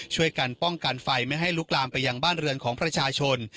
ช่วยกันป้องกันไฟไม่ให้ลุกลามไปยังบ้านเรือนของประชาชน